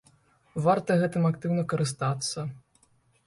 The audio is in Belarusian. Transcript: Варта гэтым актыўна карыстацца.